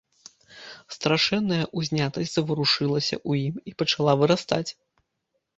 Страшэнная ўзнятасць заварушылася ў ім і пачала вырастаць.